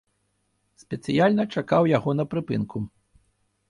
Спецыяльна чакаў яго на прыпынку.